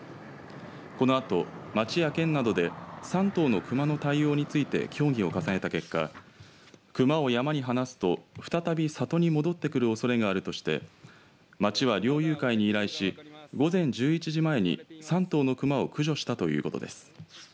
このあと、町や県などで３頭の熊の対応について協議を重ねた結果熊を山に放すと再び里に戻ってくるおそれがあるとして町は猟友会に依頼し午前１１時前に３頭の熊を駆除したということです。